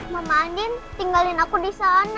mama andin tinggalin aku di sana